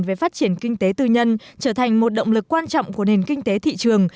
về phát triển kinh tế tư nhân trở thành một động lực quan trọng của nền kinh tế thị trường